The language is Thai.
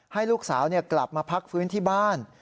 ให้ลูกสาวกลับมาพักฟื้นที่บ้าน